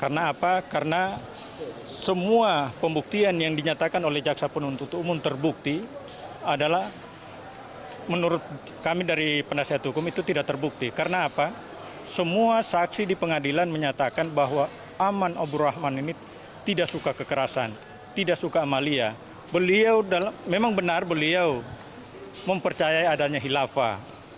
karena apa karena semua pembuktian yang dinyatakan oleh jaksa penuntut umum terbukti adalah menurut kami dari penasihat hukum itu tidak terbukti karena apa semua saksi di pengadilan menyatakan bahwa aman abdurrahman ini tidak suka kekerasan tidak suka amalia beliau dalam memang benar beliau mempercayai adanya hilafah